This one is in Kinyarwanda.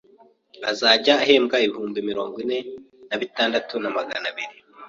azajya ahembwa ibihumbi ine nabitandatu na Magana abiri